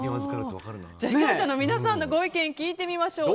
視聴者の皆さんのご意見を聞いてみましょう。